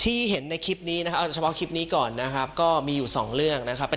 เห็นในคลิปนี้นะครับเอาเฉพาะคลิปนี้ก่อนนะครับก็มีอยู่สองเรื่องนะครับ